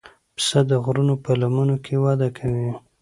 پسه د غرونو په لمنو کې وده کوي.